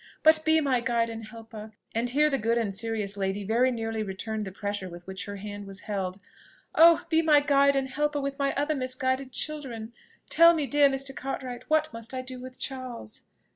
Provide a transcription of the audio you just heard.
But be my guide and helper" and here the good and serious lady very nearly returned the pressure with which her hand was held, "oh! be my guide and helper with my other misguided children! Tell me, dear Mr. Cartwright, what must I do with Charles?"